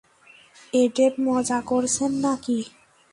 Eden, মজা করছেন নাকি?